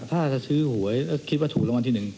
ถ้าจะซื้อหวยคิดว่าถูกรางวัลที่๑